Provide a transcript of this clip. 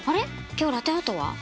今日ラテアートは？